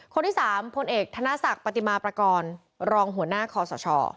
คนที่๓พลเอกธนศักดิ์ปฏิมาประกอบรองหัวหน้าคอสช